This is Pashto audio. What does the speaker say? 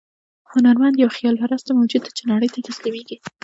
هنرمند یو خیال پرست موجود دی چې نړۍ ته تسلیمېږي.